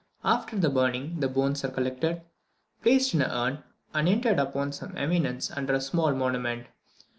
After the burning, the bones are collected, placed in an urn, and interred upon some eminence under a small monument.